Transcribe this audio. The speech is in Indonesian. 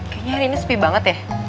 kayaknya hari ini sepi banget ya